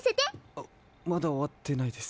あっまだおわってないです。